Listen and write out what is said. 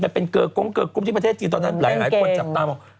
มันเป็นเกอร์กรุ๊ปที่ประเทศจีนตอนนั้นหลายหลายคนจับตามเขา